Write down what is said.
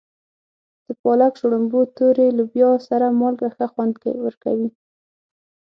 د پالک، شړومبو، تورې لوبیا سره مالګه ښه خوند ورکوي.